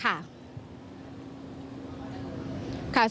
อรุณสิทธิฏอันดีแล้วด้วย